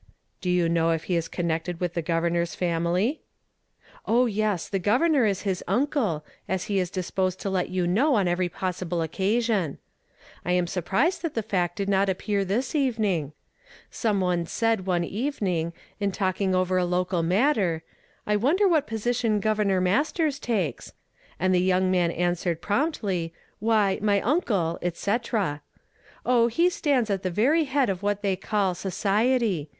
" Do you know if he is connected with the gov ernor's family?" " Oh, yes, the governor is his uncle, as he is disposed to let one know on every jtossible occa sion. I am surprised tliat the fact did not appear this evening. Someone said, one evening, in talk ing over a local matter, ' I wonder what position (lovernor jNlastei s tukes?' and the young man an swered promptly :' Why, my uncle '— etc. Oh, he stands at the very head of \\hat they call society.